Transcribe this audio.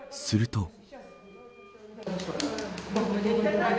すると。